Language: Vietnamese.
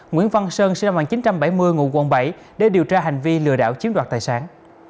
nguyễn văn sơn để điều tra hành vi lừa đảo chiếm đoạt tài sản